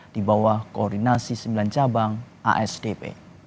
di bawah koordinasi sembilan cabang asdp